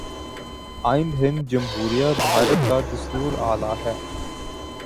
آئین ہند جمہوریہ بھارت کا دستور اعلیٰ ہے